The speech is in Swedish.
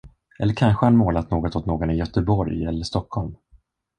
Eller kanske han målat något åt någon i Göteborg eller Stockholm.